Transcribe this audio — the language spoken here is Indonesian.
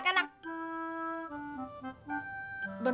beneran enak ruslan